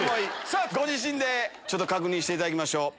さぁご自身で確認していただきましょう。